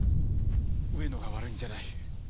上野が悪いんじゃない！